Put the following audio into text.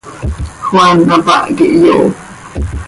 Juan hapáh quih yoofp.